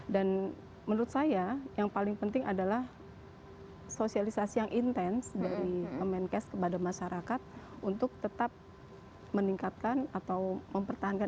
dan menurut saya yang paling penting adalah sosialisasi yang intens dari kementerian kesehatan kepada masyarakat untuk tetap meningkatkan atau mempertahankan